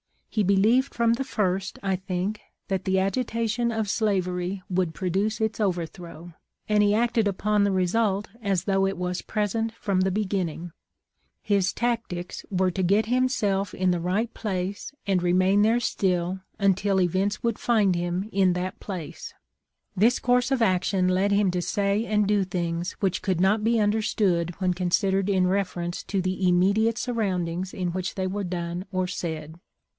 He believed from the first, I think, that the agitation of slavery would produce its overthrow, and he acted upon the result as though it was present from the beginning. His tactics were to get himself in THE LIFE OF LINCOLN. 529 the right place and remain there still, until events would find him in that place. This course of action led him to say and do things which could not be understood when considered in reference to the immediate surroundings in which they were done or said.